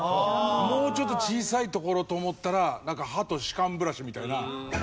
もうちょっと小さいところと思ったらなんか歯と歯間ブラシみたいな。